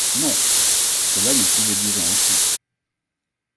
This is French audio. Non ! cela ne pouvait durer ainsi !